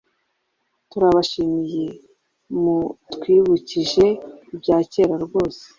turabashimiye mutwibukije ibyakera rwose